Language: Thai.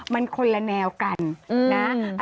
มันคนละแนวกันนะ